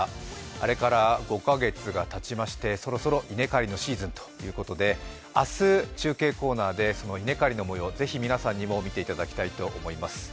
あれから５か月がたちまして、そろそろ稲刈りのシーズンということで明日、中継コーナーでその稲刈りのもようをぜひ、皆さんにも見ていただきたいと思います。